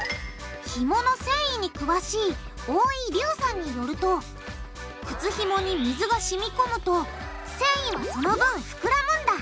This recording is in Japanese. ひもの繊維に詳しい大井龍さんによると靴ひもに水がしみこむと繊維はその分膨らむんだ。